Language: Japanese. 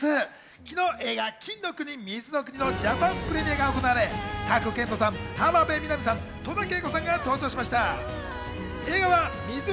昨日、映画『金の国水の国』のジャパンプレミアが行われ、賀来賢人さん、浜辺美波さん、戸田恵子さんが登場しました。